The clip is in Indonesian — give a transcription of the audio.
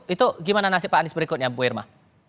itu gimana nasib pak anies berikutnya bu irma